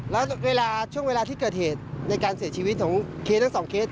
แล้วเวลาช่วงเวลาที่เกิดเหตุในการเสียชีวิตของเคสทั้งสองเคส